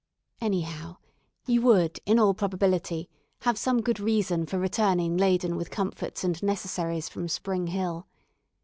Anyhow, you would in all probability have some good reason for returning laden with comforts and necessaries from Spring Hill.